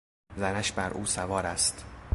زنش بر او سوار است.